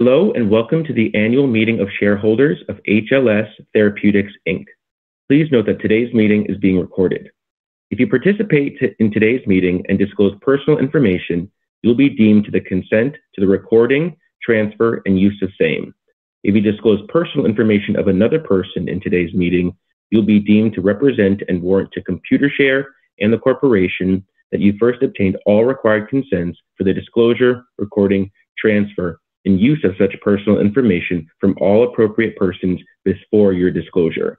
Hello, welcome to the Annual Meeting of Shareholders of HLS Therapeutics Inc. Please note that today's meeting is being recorded. If you participate in today's meeting and disclose personal information, you'll be deemed to consent to the recording, transfer, and use of same. If you disclose personal information of another person in today's meeting, you'll be deemed to represent and warrant to Computershare and the corporation that you first obtained all required consents for the disclosure, recording, transfer, and use of such personal information from all appropriate persons before your disclosure.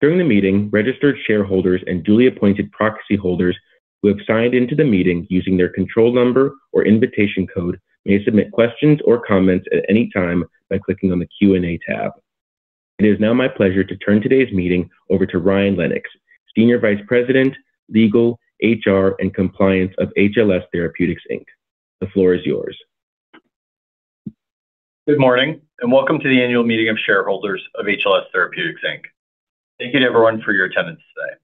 During the meeting, registered shareholders and duly appointed proxy holders who have signed into the meeting using their control number or invitation code may submit questions or comments at any time by clicking on the Q&A tab. It is now my pleasure to turn today's meeting over to Ryan Lennox, Senior Vice President, Legal, HR, and Compliance of HLS Therapeutics Inc. The floor is yours. Good morning, welcome to the Annual Meeting of Shareholders of HLS Therapeutics Inc. Thank you to everyone for your attendance today.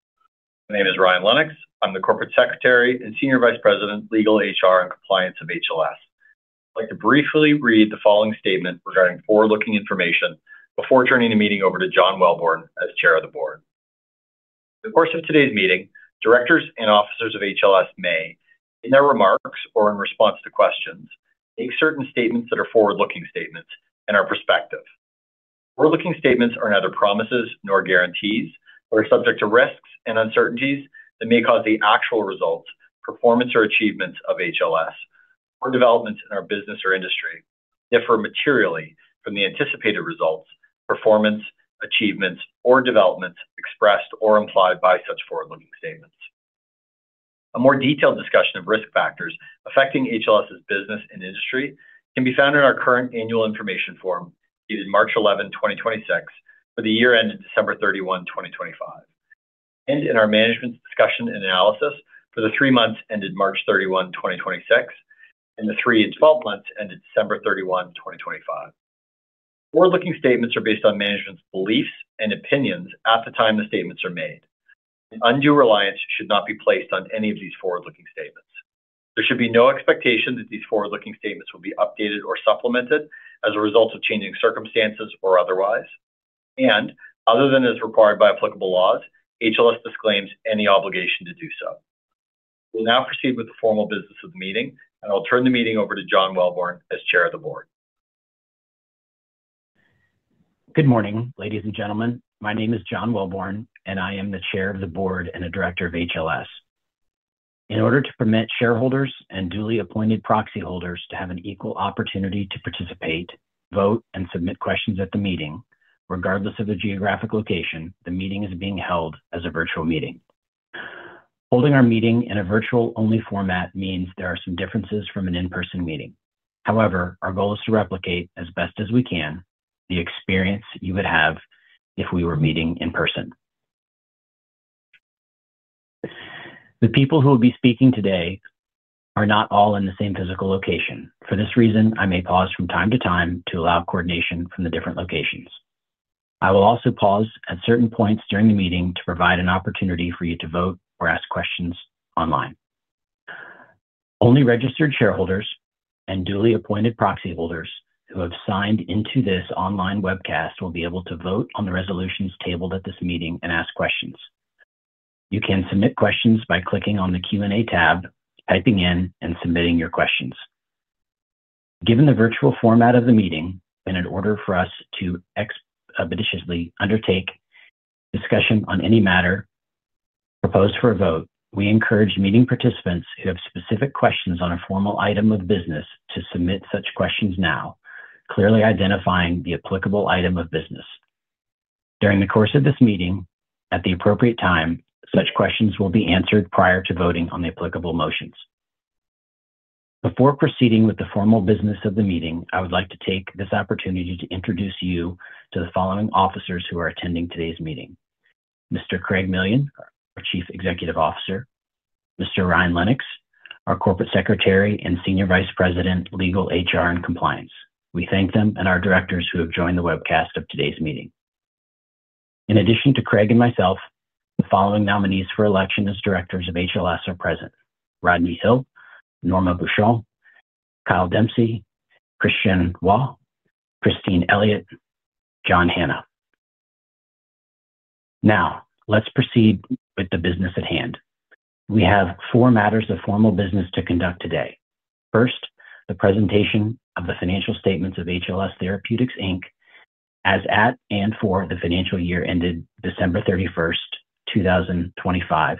My name is Ryan Lennox. I'm the Corporate Secretary and Senior Vice President, Legal, HR, and Compliance of HLS. I'd like to briefly read the following statement regarding forward-looking information before turning the meeting over to John Welborn as Chair of the Board. In the course of today's meeting, Directors and officers of HLS may, in their remarks or in response to questions, make certain statements that are forward-looking statements and are prospective. Forward-looking statements are neither promises nor guarantees, but are subject to risks and uncertainties that may cause the actual results, performance, or achievements of HLS or developments in our business or industry differ materially from the anticipated results, performance, achievements, or developments expressed or implied by such forward-looking statements. A more detailed discussion of risk factors affecting HLS's business and industry can be found in our current annual information form, dated March 11, 2026, for the year ended December 31, 2025, and in our management's discussion and analysis for the three months ended March 31, 2026, and the 3 and 12 months ended December 31, 2025. Forward-looking statements are based on management's beliefs and opinions at the time the statements are made. Undue reliance should not be placed on any of these forward-looking statements. There should be no expectation that these forward-looking statements will be updated or supplemented as a result of changing circumstances or otherwise, other than as required by applicable laws, HLS disclaims any obligation to do so. We'll now proceed with the formal business of the meeting, I'll turn the meeting over to John Welborn as Chair of the Board. Good morning, ladies and gentlemen. My name is John Welborn, and I am the Chair of the Board and a Director of HLS. In order to permit shareholders and duly appointed proxy holders to have an equal opportunity to participate, vote, and submit questions at the meeting, regardless of their geographic location, the meeting is being held as a virtual meeting. Holding our meeting in a virtual-only format means there are some differences from an in-person meeting. However, our goal is to replicate, as best as we can, the experience you would have if we were meeting in person. The people who will be speaking today are not all in the same physical location. For this reason, I may pause from time-to-time to allow coordination from the different locations. I will also pause at certain points during the meeting to provide an opportunity for you to vote or ask questions online. Only registered shareholders and duly appointed proxy holders who have signed into this online webcast will be able to vote on the resolutions tabled at this meeting and ask questions. You can submit questions by clicking on the Q&A tab, typing in, and submitting your questions. Given the virtual format of the meeting, and in order for us to expeditiously undertake discussion on any matter proposed for a vote, we encourage meeting participants who have specific questions on a formal item of business to submit such questions now, clearly identifying the applicable item of business. During the course of this meeting, at the appropriate time, such questions will be answered prior to voting on the applicable motions. Before proceeding with the formal business of the meeting, I would like to take this opportunity to introduce you to the following officers who are attending today's meeting. Mr. Craig Millian, our Chief Executive Officer. Mr. Ryan Lennox, our Corporate Secretary and Senior Vice President, Legal, HR, and Compliance. We thank them and our Directors who have joined the webcast of today's meeting. In addition to Craig and myself, the following nominees for election as Directors of HLS are present. Rodney Hill, Norma Beauchamp, Kyle Dempsey, Christian Roy, Christine Elliott, John Hanna. Now, let's proceed with the business at hand. We have four matters of formal business to conduct today. First, the presentation of the financial statements of HLS Therapeutics Inc. as at and for the financial year ended December 31st, 2025,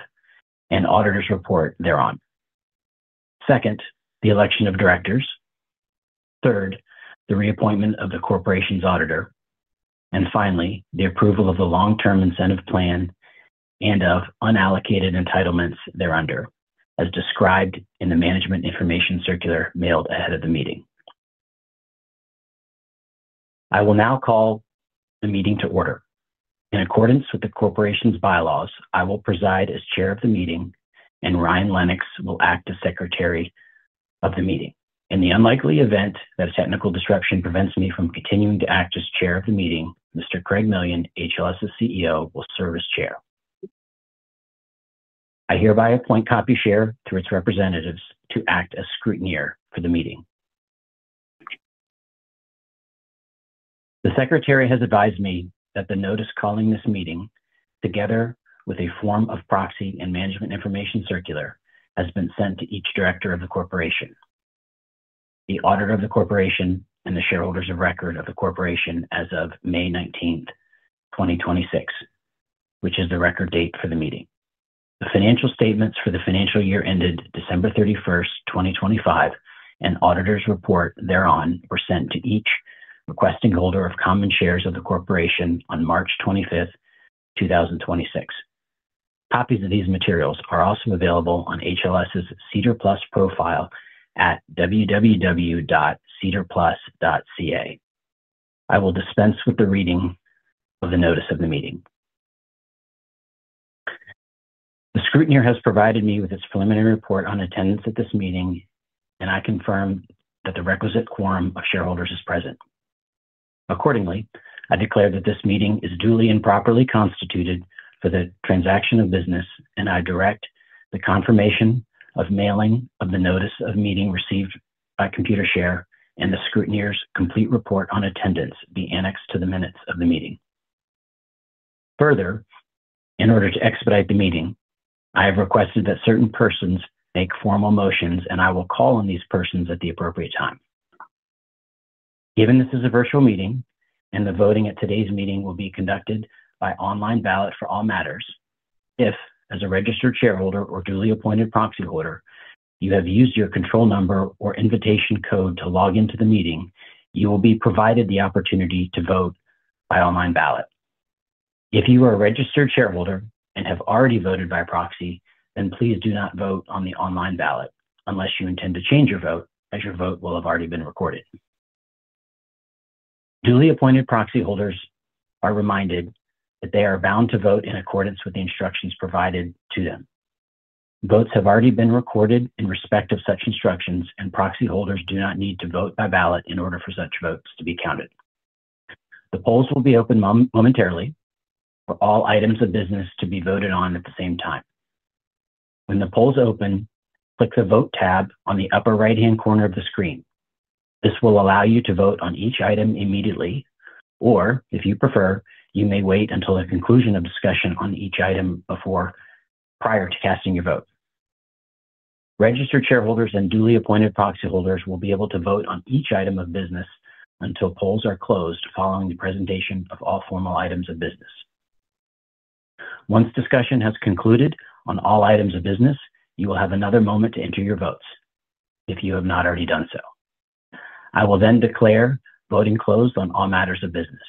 and auditor's report thereon. Second, the election of Directors. Third, the reappointment of the Corporation's Auditor. Finally, the approval of the long-term incentive plan and of unallocated entitlements thereunder, as described in the management information circular mailed ahead of the meeting. I will now call the meeting to order. In accordance with the corporation's bylaws, I will preside as Chair of the meeting, and Ryan Lennox will act as Secretary of the meeting. In the unlikely event that a technical disruption prevents me from continuing to act as Chair of the meeting, Mr. Craig Millian, HLS's CEO, will serve as Chair. I hereby appoint Computershare through its representatives to act as scrutineer for the meeting. The Secretary has advised me that the notice calling this meeting, together with a form of proxy and management information circular, has been sent to each Director of the corporation, the auditor of the corporation, and the shareholders of record of the corporation as of May 19th, 2026, which is the record date for the meeting. The financial statements for the financial year ended December 31st, 2025, and auditors' report thereon were sent to each requesting holder of common shares of the corporation on March 25th, 2026. Copies of these materials are also available on HLS's SEDAR+ profile at www.sedarplus.ca. I will dispense with the reading of the notice of the meeting. The scrutineer has provided me with its preliminary report on attendance at this meeting, and I confirm that the requisite quorum of shareholders is present. Accordingly, I declare that this meeting is duly and properly constituted for the transaction of business, and I direct the confirmation of mailing of the notice of meeting received by Computershare and the scrutineer's complete report on attendance be annexed to the minutes of the meeting. Further, in order to expedite the meeting, I have requested that certain persons make formal motions, and I will call on these persons at the appropriate time. Given this is a virtual meeting, and the voting at today's meeting will be conducted by online ballot for all matters, if, as a registered shareholder or duly appointed proxy holder, you have used your control number or invitation code to log into the meeting, you will be provided the opportunity to vote by online ballot. If you are a registered shareholder and have already voted by proxy, then please do not vote on the online ballot unless you intend to change your vote, as your vote will have already been recorded. Duly appointed proxy holders are reminded that they are bound to vote in accordance with the instructions provided to them. Votes have already been recorded in respect of such instructions. Proxy holders do not need to vote by ballot in order for such votes to be counted. The polls will be open momentarily for all items of business to be voted on at the same time. When the polls open, click the Vote tab on the upper right-hand corner of the screen. This will allow you to vote on each item immediately. If you prefer, you may wait until the conclusion of discussion on each item prior to casting your vote. Registered shareholders and duly appointed proxy holders will be able to vote on each item of business until polls are closed following the presentation of all formal items of business. Once discussion has concluded on all items of business, you will have another moment to enter your votes, if you have not already done so. I will then declare voting closed on all matters of business.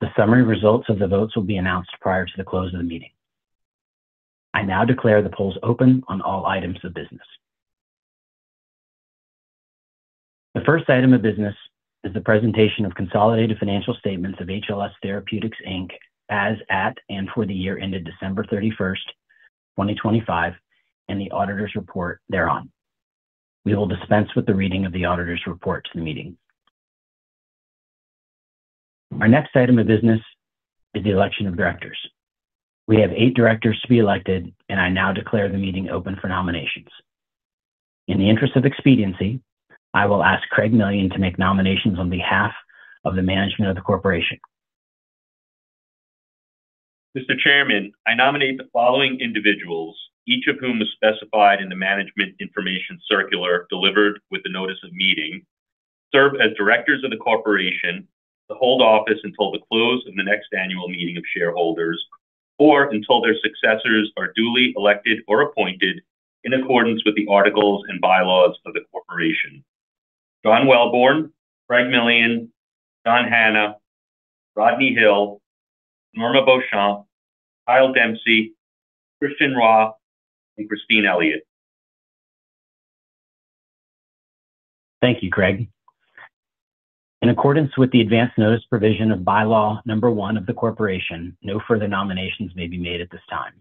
The summary results of the votes will be announced prior to the close of the meeting. I now declare the polls open on all items of business. The first item of business is the presentation of consolidated financial statements of HLS Therapeutics Inc. as at and for the year ended December 31st, 2025, and the auditor's report thereon. We will dispense with the reading of the auditor's report to the meeting. Our next item of business is the election of Directors. We have eight Directors to be elected. I now declare the meeting open for nominations. In the interest of expediency, I will ask Craig Millian to make nominations on behalf of the management of the corporation. Mr. Chairman, I nominate the following individuals, each of whom is specified in the management information circular delivered with the notice of meeting, serve as Directors of the corporation to hold office until the close of the next Annual Meeting of Shareholders, or until their successors are duly elected or appointed in accordance with the articles and bylaws of the corporation. John Welborn, Craig Millian, John Hanna, Rodney Hill, Norma Beauchamp, Kyle Dempsey, Christian Roy, and Christine Elliott. Thank you, Craig. In accordance with the advance notice provision of bylaw number one of the corporation, no further nominations may be made at this time.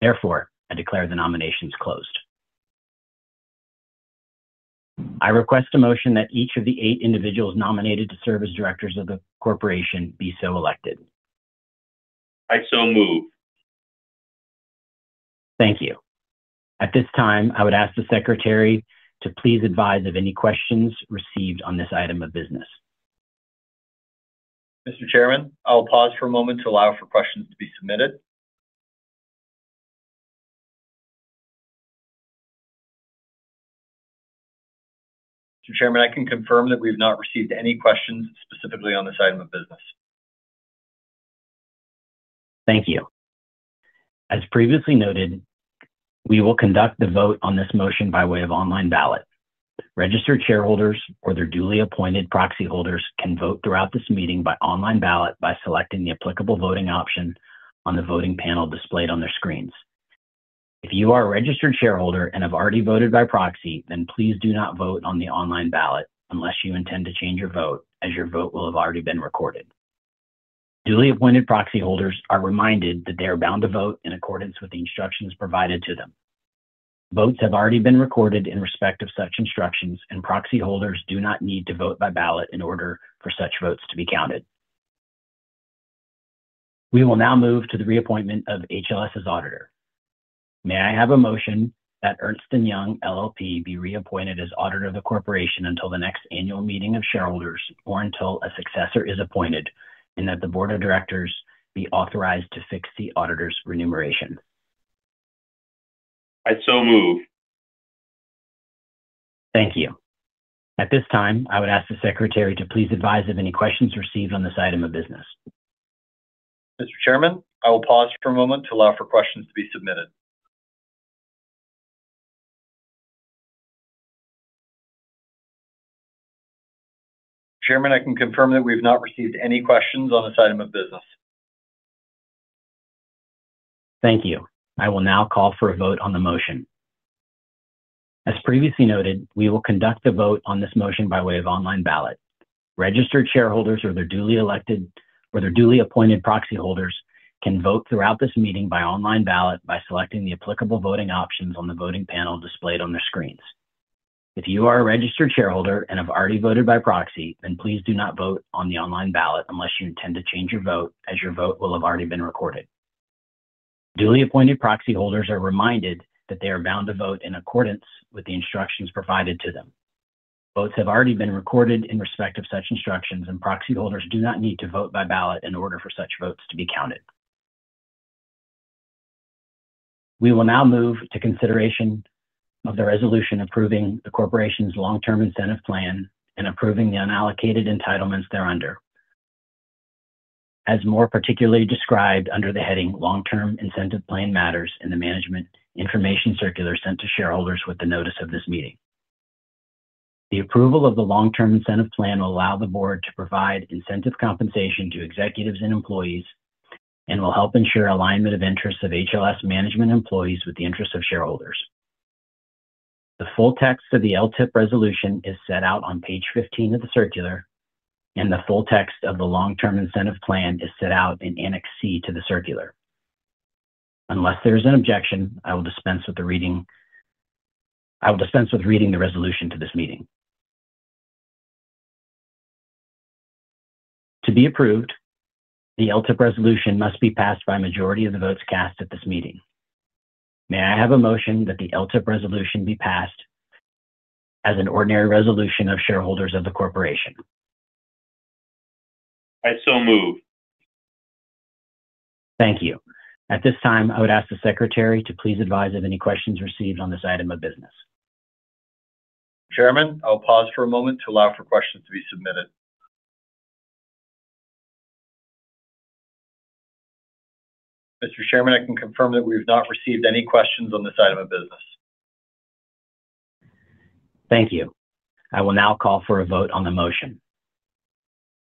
Therefore, I declare the nominations closed. I request a motion that each of the eight individuals nominated to serve as Directors of the corporation be so elected. I so move. Thank you. At this time, I would ask the Secretary to please advise of any questions received on this item of business. Mr. Chairman, I will pause for a moment to allow for questions to be submitted. Mr. Chairman, I can confirm that we've not received any questions specifically on this item of business. Thank you. As previously noted, we will conduct the vote on this motion by way of online ballot. Registered shareholders or their duly appointed proxy holders can vote throughout this meeting by online ballot by selecting the applicable voting option on the voting panel displayed on their screens. If you are a registered shareholder and have already voted by proxy, then please do not vote on the online ballot unless you intend to change your vote, as your vote will have already been recorded. Duly appointed proxy holders are reminded that they are bound to vote in accordance with the instructions provided to them. Votes have already been recorded in respect of such instructions. Proxy holders do not need to vote by ballot in order for such votes to be counted. We will now move to the reappointment of HLS's Auditor. May I have a motion that Ernst & Young LLP be reappointed as auditor of the corporation until the next Annual Meeting of Shareholders, or until a successor is appointed, and that the Board of Directors be authorized to fix the auditor's remuneration? I so move. Thank you. At this time, I would ask the Secretary to please advise of any questions received on this item of business. Mr. Chairman, I will pause for a moment to allow for questions to be submitted. Chairman, I can confirm that we've not received any questions on this item of business. Thank you. I will now call for a vote on the motion. As previously noted, we will conduct a vote on this motion by way of online ballot. Registered shareholders or their duly elected or their duly appointed proxy holders can vote throughout this meeting by online ballot by selecting the applicable voting options on the voting panel displayed on their screens. If you are a registered shareholder and have already voted by proxy, please do not vote on the online ballot unless you intend to change your vote, as your vote will have already been recorded. Duly appointed proxy holders are reminded that they are bound to vote in accordance with the instructions provided to them. Votes have already been recorded in respect of such instructions, and proxy holders do not need to vote by ballot in order for such votes to be counted. We will now move to consideration of the resolution approving the corporation's Long-Term Incentive Plan and approving the unallocated entitlements thereunder, as more particularly described under the heading Long-Term Incentive Plan Matters in the management information circular sent to shareholders with the notice of this meeting. The approval of the Long-Term Incentive Plan will allow the Board to provide incentive compensation to Executives and employees and will help ensure alignment of interests of HLS management employees with the interests of shareholders. The full text of the LTIP resolution is set out on page 15 of the circular, and the full text of the Long-Term Incentive Plan is set out in Annex C to the circular. Unless there is an objection, I will dispense with reading the resolution to this meeting. To be approved, the LTIP resolution must be passed by a majority of the votes cast at this meeting. May I have a motion that the LTIP resolution be passed as an ordinary resolution of shareholders of the corporation? I so move. Thank you. At this time, I would ask the Secretary to please advise of any questions received on this item of business. Chairman, I'll pause for a moment to allow for questions to be submitted. Mr. Chairman, I can confirm that we've not received any questions on this item of business. Thank you. I will now call for a vote on the motion.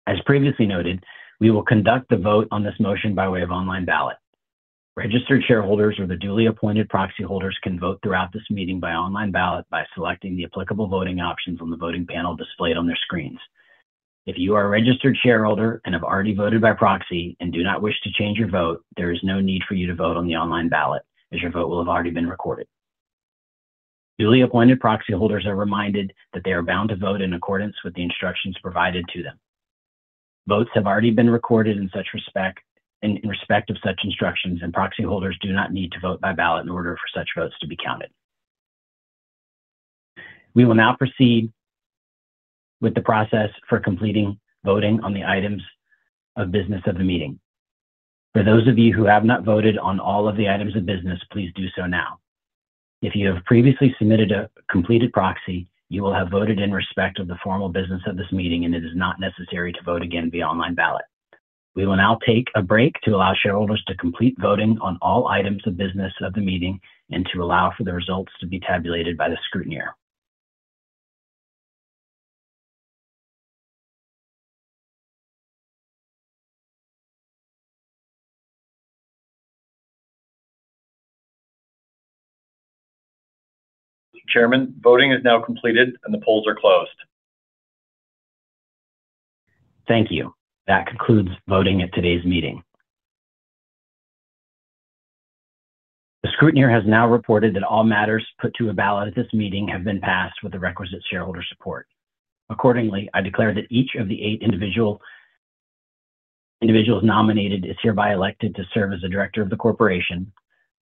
As previously noted, we will conduct the vote on this motion by way of online ballot. Registered shareholders or the duly appointed proxy holders can vote throughout this meeting by online ballot by selecting the applicable voting options on the voting panel displayed on their screens. If you are a registered shareholder and have already voted by proxy and do not wish to change your vote, there is no need for you to vote on the online ballot as your vote will have already been recorded. Duly appointed proxy holders are reminded that they are bound to vote in accordance with the instructions provided to them. Votes have already been recorded in respect of such instructions, and proxy holders do not need to vote by ballot in order for such votes to be counted. We will now proceed with the process for completing voting on the items of business of the meeting. For those of you who have not voted on all of the items of business, please do so now. If you have previously submitted a completed proxy, you will have voted in respect of the formal business of this meeting, and it is not necessary to vote again via online ballot. We will now take a break to allow shareholders to complete voting on all items of business of the meeting and to allow for the results to be tabulated by the scrutineer. Chairman, voting is now completed, and the polls are closed. Thank you. That concludes voting at today's meeting. The scrutineer has now reported that all matters put to a ballot at this meeting have been passed with the requisite shareholder support. Accordingly, I declare that each of the eight individuals nominated is hereby elected to serve as a Director of the Corporation,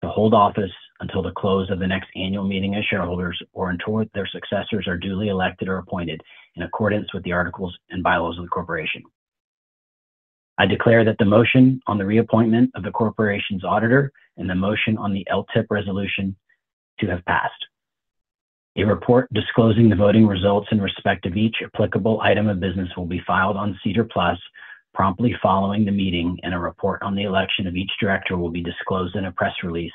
to hold office until the close of the next Annual Meeting of Shareholders, or until their successors are duly elected or appointed, in accordance with the articles and bylaws of the corporation. I declare that the motion on the reappointment of the Corporation's Auditor and the motion on the LTIP resolution to have passed. A report disclosing the voting results in respect of each applicable item of business will be filed on SEDAR+ promptly following the meeting, and a report on the election of each Director will be disclosed in a press release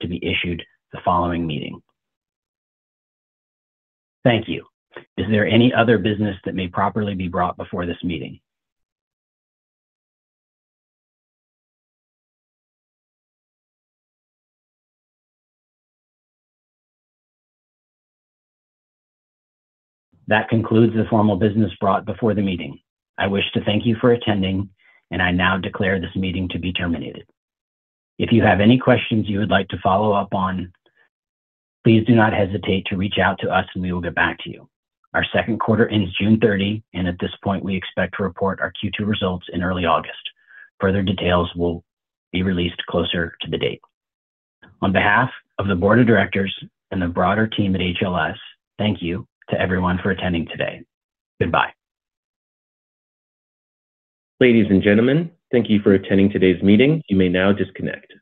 to be issued the following meeting. Thank you. Is there any other business that may properly be brought before this meeting? That concludes the formal business brought before the meeting. I wish to thank you for attending, and I now declare this meeting to be terminated. If you have any questions you would like to follow up on, please do not hesitate to reach out to us, and we will get back to you. Our second quarter ends June 30, and at this point, we expect to report our Q2 results in early August. Further details will be released closer to the date. On behalf of the Board of Directors and the broader team at HLS, thank you to everyone for attending today. Goodbye. Ladies and gentlemen, thank you for attending today's meeting. You may now disconnect.